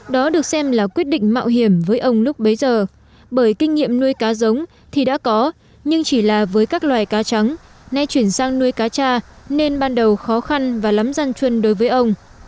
đó được xem là quyết định mạo hiểm với ông lúc bấy giờ bởi kinh nghiệm nuôi cá giống thì đã có nhưng chỉ là với các loài cá trắng nay chuyển sang nuôi cá cha nên ban đầu khó khăn và lắm gian chuân đối với ông